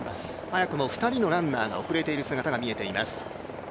早くも２人のランナーが遅れている姿が見えています。